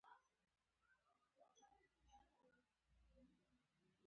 مشرتابه ته درناوی پکار دی